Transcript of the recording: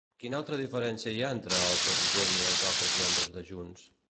Quina altra diferència hi ha entre el president i els altres membres de Junts?